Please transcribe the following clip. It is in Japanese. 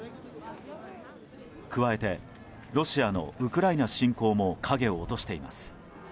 加えてロシアのウクライナ侵攻も影を落としています。